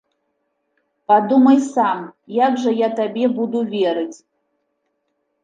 Падумай сам, як жа я табе буду верыць!